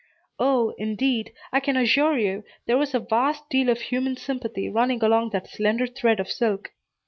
O, indeed, I can assure you, there was a vast deal of human sympathy running along that slender thread of silk.